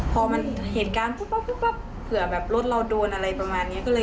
พอมันเหตุการณ์ปุ๊บเผื่อแบบรถเราโดนอะไรประมาณนี้